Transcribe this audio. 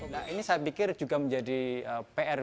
nah ini saya pikir juga menjadi pr